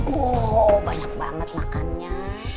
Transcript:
wow banyak banget makannya